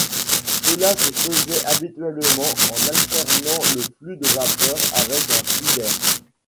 Cela se faisait habituellement en alternant le flux de vapeur avec un flux d'air.